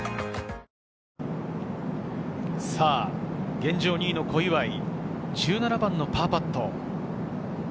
現状２位の小祝、１７番のパーパット。